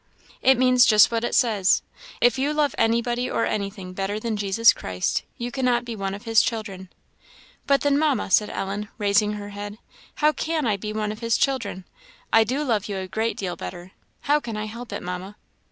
" "It means just what it says. If you love anybody or anything better than Jesus Christ, you cannot be one of his children." "But then, Mamma," said Ellen, raising her head, "how can I be one of his children? I do love you a great deal better: how can I help it, Mamma?"